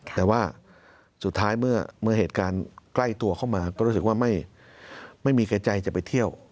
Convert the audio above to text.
แต่ว่าสุดท้ายเมื่อเหตุการณ์ใกล้ตัวเข้ามาก็รู้สึกว่าไม่มีแก่ใจจะไปเที่ยว